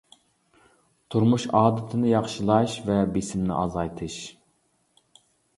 تۇرمۇش ئادىتىنى ياخشىلاش ۋە بېسىمنى ئازايتىش.